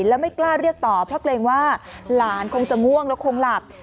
แล้วไม่กล้าเรียกต่อเพราะเกรงว่าหลานคงจะง่วงแล้วคงหลับ